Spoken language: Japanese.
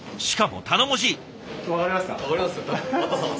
しかも頼もしい。